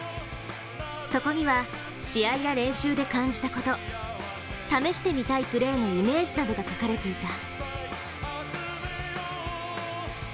そこには、試合や練習で感じたこと、試してみたいプレーのイメージなどが書かれていた。